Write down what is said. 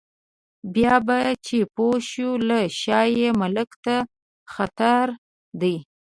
بیا به چې پوه شو له شا یې مالک ته خطر دی.